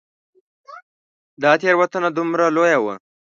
دا تېروتنه دومره لویه وه.